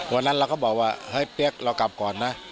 วันนั้นเราก็บอกว่าเฮ้ยเปี๊ยกเรากลับก่อนนะ